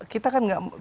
kita kan gak